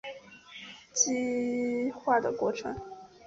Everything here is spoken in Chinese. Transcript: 羟基化的过程。